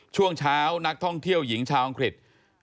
ช่วงเช้านักท่องเที่ยวหญิงชาวอังกฤษ